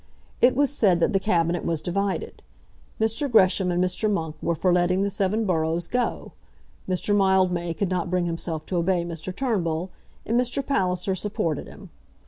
It was said that the Cabinet was divided. Mr. Gresham and Mr. Monk were for letting the seven boroughs go. Mr. Mildmay could not bring himself to obey Mr. Turnbull, and Mr. Palliser supported him.